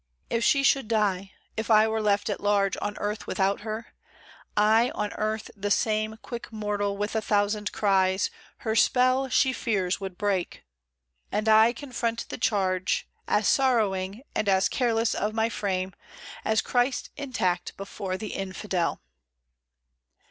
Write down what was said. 55 I If she should die, if I were left at large On earth without her — I, on earth, the same Quick mortal with a thousand cries, her spell She fears would break. And I confront the charge. As sorrowing, and as careless of my fame, As Christ intact before the infidel.